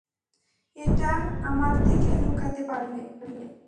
এটা আমার থেকে কীভাবে লুকাতে পারলে?